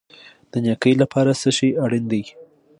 د نیکۍ لپاره څه شی اړین دی؟